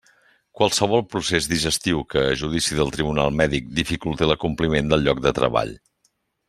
Qualsevol procés digestiu que, a judici del Tribunal Mèdic, dificulte l'acompliment del lloc de treball.